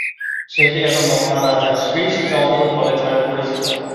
সেটি এখন মহারাজা শ্রীশচন্দ্র কলেজ নামে পরিচিত।